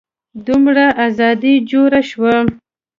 دومره ازادي جوړه شوه.